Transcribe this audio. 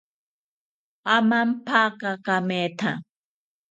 Amampaka kametha